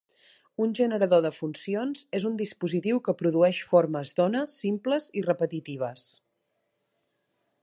Un generador de funcions és un dispositiu que produeix formes d'ona simples i repetitives.